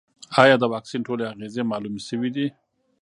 ایا د واکسین ټولې اغېزې معلومې شوې دي؟